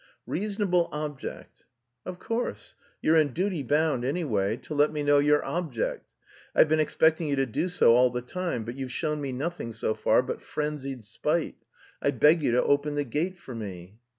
"Reasonable object?" "Of course, you're in duty bound, anyway, to let me know your object. I've been expecting you to do so all the time, but you've shown me nothing so far but frenzied spite. I beg you to open the gate for me."